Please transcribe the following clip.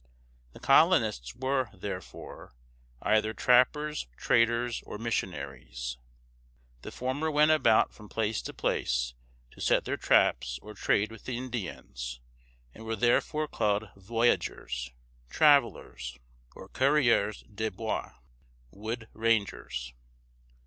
The colonists were, therefore, either trappers, traders, or missionaries. The former went about from place to place to set their traps or trade with the Indians, and were therefore called voyageurs (travelers), or coureurs de bois (wood rangers).